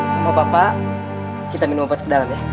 semua bapak kita minum obat ke dalam ya